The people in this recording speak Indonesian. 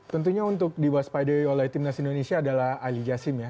tentunya untuk diwaspadai oleh timnas indonesia adalah ali jasim ya